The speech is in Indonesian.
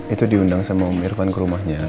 itu diundang sama om irfan ke rumahnya